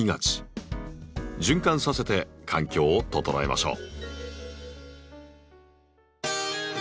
循環させて環境を整えましょう。